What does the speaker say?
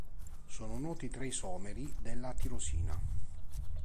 Sono noti tre isomeri della tirosina.